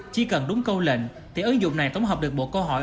chỉ cần đúng câu lệnh thì ứng dụng này tổng hợp được một câu hỏi